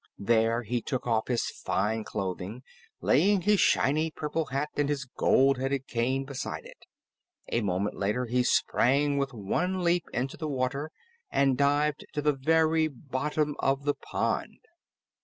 There he took off his fine clothing, laying his shiny purple hat and his gold headed cane beside it. A moment later, he sprang with one leap into the water and dived to the very bottom of the pond.